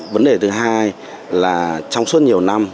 vấn đề thứ hai là trong suốt nhiều năm